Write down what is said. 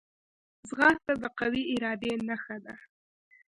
ځغاسته د قوي ارادې نښه ده